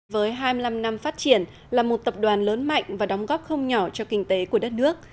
với hai mươi năm năm phát triển là một tập đoàn lớn mạnh và đóng góp không nhỏ cho kinh tế của đất nước